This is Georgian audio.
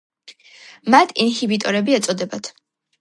მათ ინჰიბიტორები ეწოდებათ.